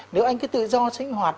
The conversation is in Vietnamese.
nếu anh cứ tự do sinh hoạt